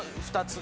２つ。